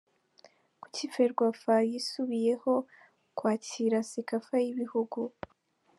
Kuki Ferwafa yisubiyeho kwakira Cecafa y’ibihugu?.